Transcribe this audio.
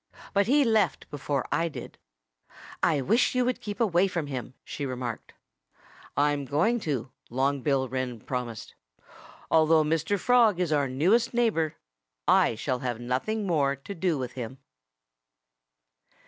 "But he left before I did." "I wish you would keep away from him," she remarked. "I'm going to," Long Bill Wren promised. "Although Mr. Frog is our newest neighbor, I shall have nothing more to do with him."